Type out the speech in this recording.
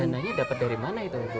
dananya dapat dari mana itu